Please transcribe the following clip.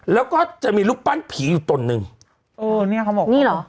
แล้วก็จะมีรูปปั้นผีอยู่ตนหนึ่งเออเนี้ยเขาบอกนี่เหรอ